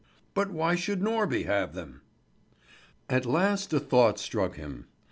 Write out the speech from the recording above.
But why should Norby have them?" At last a thought struck him.